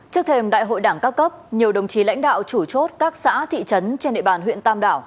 trước thềm đại hội đảng các cấp nhiều đồng chí lãnh đạo chủ chốt các xã thị trấn trên địa bàn huyện tam đảo